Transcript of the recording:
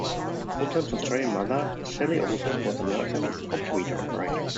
Oldham's Australian mother, Celia Oldham, was a nurse and comptometer operator.